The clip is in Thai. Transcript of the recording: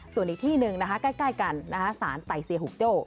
ส่วนอีกที่หนึ่งนะคะใกล้กันสารไต่เซียหุกโจ้